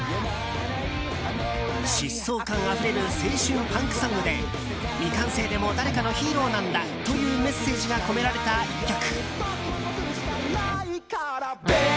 疾走感あふれる青春パンクソングで未完成でも誰かのヒーローなんだというメッセージが込められた１曲。